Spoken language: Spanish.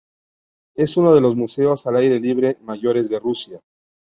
Es uno de los museos al aire libre mayores de Rusia.